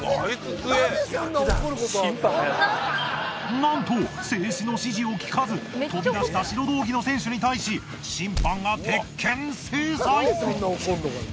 なんと制止の指示を聞かず飛び出した白道着の選手に対し審判が鉄拳制裁！